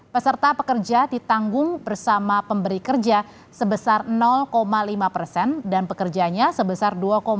peserta pekerja ditanggung bersama pemberi kerja sebesar lima persen dan pekerjanya sebesar dua lima